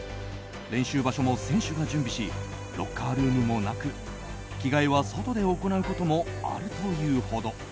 練習場所も選手が準備しロッカールームもなく着替えは外で行うこともあるというほど。